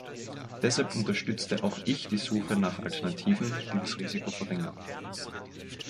Deshalb unterstütze auch ich die Suche nach Alternativen, die das Risiko verringern.